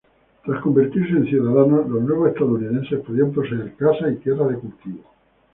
Tras convertirse en ciudadanos, los nuevos estadounidenses podían poseer casas y tierras de cultivo.